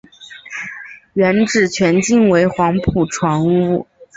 原址全境为黄埔船坞。